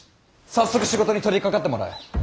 早速仕事に取りかかってもらう。